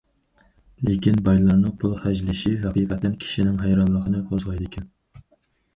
لېكىن بايلارنىڭ پۇل خەجلىشى ھەقىقەتەن كىشىنىڭ ھەيرانلىقىنى قوزغايدىكەن.